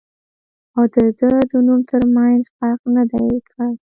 او د دۀ د نوم تر مېنځه فرق نۀ دی کړی